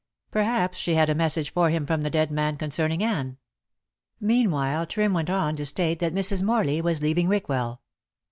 Perhaps she had a message for him from the dead man concerning Anne. Meanwhile Trim went on to state that Mrs. Morley was leaving Rickwell.